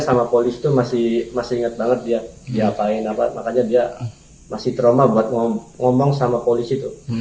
sama polisi tuh masih ingat banget dia diapain apa makanya dia masih trauma buat ngomong sama polisi tuh